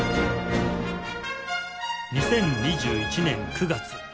２０２１年９月